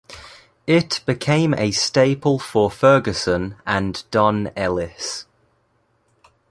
It became a staple for Ferguson and Don Ellis.